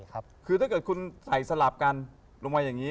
คือถ้าเกิดคุณใส่สลับกันลงมาอย่างนี้